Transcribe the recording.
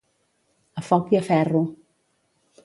A foc i a ferro.